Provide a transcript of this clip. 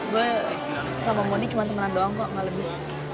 gue sama modi cuma temenan doang kok gak lebih